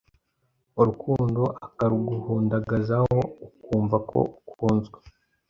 Urukundo akaruguhundagazaho ukumva ko ukunzwe